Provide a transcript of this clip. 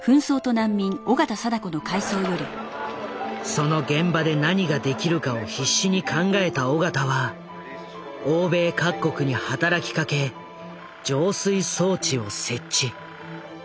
その現場で何ができるかを必死に考えた緒方は欧米各国に働きかけ浄水装置を設置。